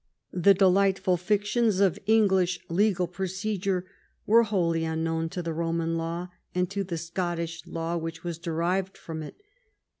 The delight ful fictions of English legal procedure were wholly un known to the Roman law and to the Scottish law which was derived from it.